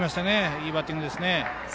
いいバッティングですね。